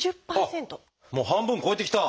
もう半分超えてきた。